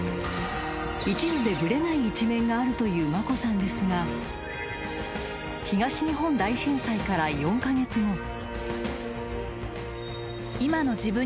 ［いちずでブレない一面があるという眞子さんですが東日本大震災から４カ月後］